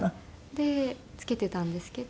で付けていたんですけど。